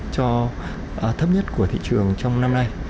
cho thấp nhất của thị trường trong năm nay